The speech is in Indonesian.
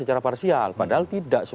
adakah anda sedang menjawab